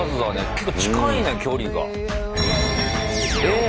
結構近いね距離が。えっ。